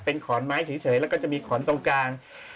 เป็นขอนไม้เฉยแล้วก็จะมีขอนตรงกลาง